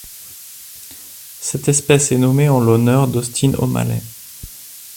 Cette espèce est nommée en l'honneur d'Austin O'Malley.